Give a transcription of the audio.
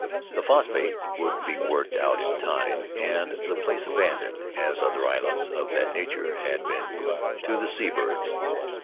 The phosphate would be worked out in time and the place abandoned, as other islands of that nature had been, to the seabirds.